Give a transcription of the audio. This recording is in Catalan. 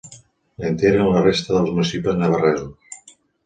La integren la resta dels municipis navarresos.